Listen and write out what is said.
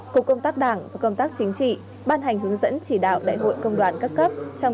cục công tác đảng và công tác chính trị ban hành hướng dẫn chỉ đạo đại hội công đoàn các cấp trong